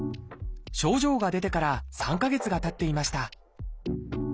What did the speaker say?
症状が出てから３か月がたっていました。